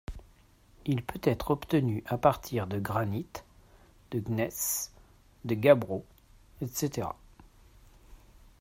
Il peut être obtenu à partir de granite, de gneiss, de gabbro, etc.